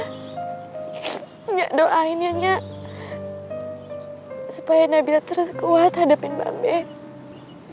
nggak doain nyak nyak supaya nabila terus kuat hadapin babes